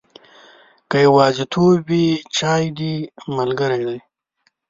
که یوازیتوب وي، چای دې ملګری دی.